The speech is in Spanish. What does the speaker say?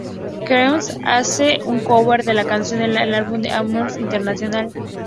Ke$ha hace un cover de la canción en el álbum de Amnesty International